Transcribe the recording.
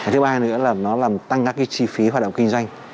thứ ba nữa là nó làm tăng các chi phí hoạt động kinh doanh